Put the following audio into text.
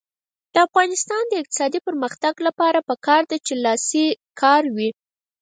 د افغانستان د اقتصادي پرمختګ لپاره پکار ده چې لاسي کار وي.